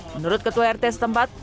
menurut ketua rt setempat